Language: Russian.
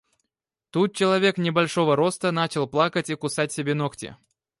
Тут человек небольшого роста начал плакать и кусать себе ногти.